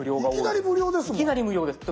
いきなり無料ですもん。